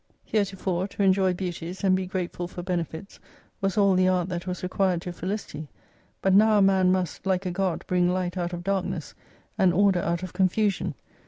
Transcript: Here 254 tofore, to enjoy beauties, and be grateful for benefits was all the art that was required to felicity, but now a man must, like a God, bring Light out of Darkness, and order out of confusion.